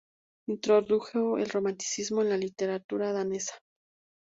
Introdujo el Romanticismo en la literatura danesa.